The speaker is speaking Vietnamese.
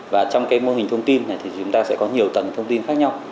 và trong cái mô hình thông tin này thì chúng ta sẽ có nhiều tầng thông tin khác nhau